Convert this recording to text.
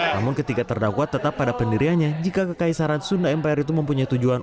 namun ketiga terdakwa tetap pada pendiriannya jika kekaisaran sunda empire itu mempunyai tujuan